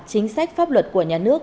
chính sách pháp luật của nhà nước